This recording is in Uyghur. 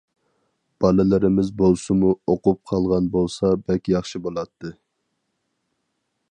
بالىلىرىمىز بولسىمۇ ئوقۇپ قالغان بولسا بەك ياخشى بولاتتى!